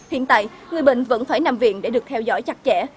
hiện tại người bệnh vẫn phải nằm viện để được theo dõi chặt chẽ